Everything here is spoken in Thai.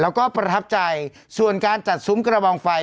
แล้วก็ประทับใจส่วนการจัดซุ้มกระบองไฟ